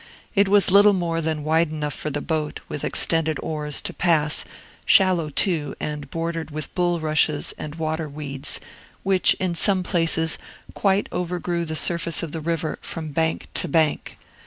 It was little more than wide enough for the boat, with extended oars, to pass, shallow, too, and bordered with bulrushes and water weeds, which, in some places, quite overgrew the surface of the river from bank to bank.